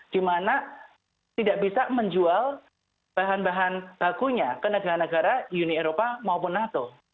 di mana tidak bisa menjual bahan bahan bakunya ke negara negara uni eropa maupun nato